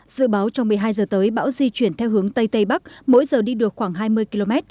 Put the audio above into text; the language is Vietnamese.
dự báo trong một mươi hai giờ tới bão di chuyển theo hướng tây tây bắc mỗi giờ đi được khoảng hai mươi km